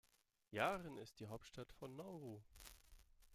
Yaren ist die Hauptstadt von Nauru.